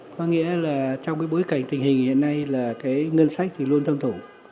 có nghĩa là trong bối cảnh tình hình hiện nay là ngân sách luôn thâm thủ